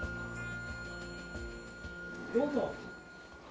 どうぞ。